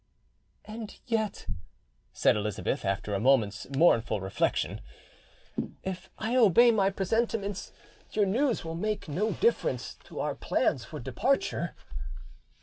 "And yet," said Elizabeth, after a moment's mournful reflection, "if I obey my presentiments, your news will make no difference to our plans for departure."